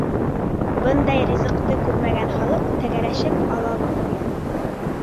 Бындай ризыҡты күрмәгән халыҡ тәгәрәшеп ала ла ҡуя.